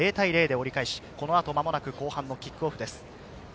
間もなく後半のキックオフです。